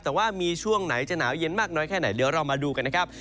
แต่ว่ามีช่วงไหนจะหนาวเย็นมากน้อยแค่ไหนเดี๋ยวเรามาดูกันนะครับ